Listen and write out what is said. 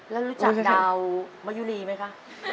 แล้วรู้จักดาวมะยุรีไหมคะ